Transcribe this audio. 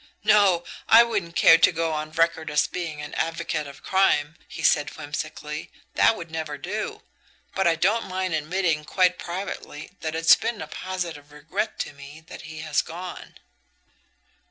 "No; I wouldn't care to go on record as being an advocate of crime," he said whimsically; "that would never do. But I don't mind admitting quite privately that it's been a positive regret to me that he has gone."